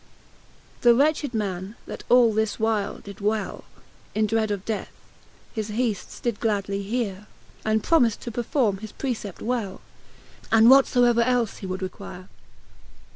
XLIII. The wretched man, that all this while did dwell In dread of death, his heafts did gladly heare. And promift to performe his precept well, And whatfoever elle he would requere.